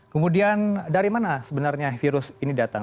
kemudian dari mana sebenarnya virus ini datang